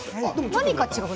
何か違う。